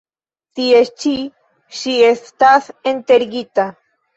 Tie ĉi ŝi estas enterigita.